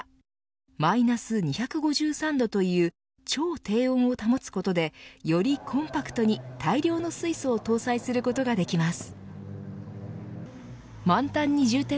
マイナス２５３度という超低温を保つことでよりコンパクトに大量の水素を搭載することができます。